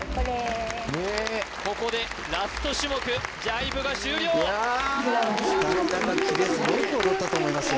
ここでラスト種目ジャイブが終了下の方キレすごいと思ったと思いますよ